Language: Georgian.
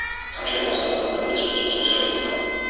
სამშენებლო მასალად გამოყენებულია სხვადასხვა ზომის ფლეთილი ქვა.